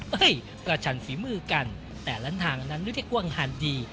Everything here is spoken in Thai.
เฮ้ยประชันฝีมือกันแต่ละทางนั้นเรียกว่างหันดี